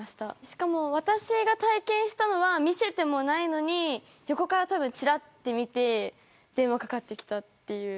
しかも、私が体験したのは見せてもないのに横からたぶん、ちらっと見て電話かかってきたっていう。